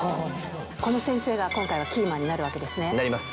この先生が今回はキーマンになります。